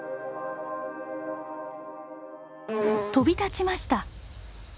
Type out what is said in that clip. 飛び立ちました。